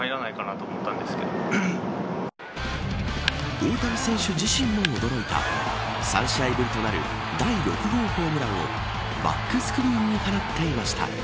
大谷選手自身も驚いた３試合ぶりとなる第６号ホームランをバックスクリーンに放っていました。